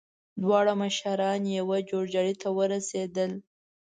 دواړه مشران يوه جوړجاړي ته ورسېدل.